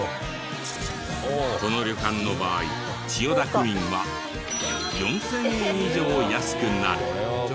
この旅館の場合千代田区民は４０００円以上安くなる。